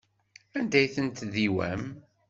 Anda ay ten-tdiwam?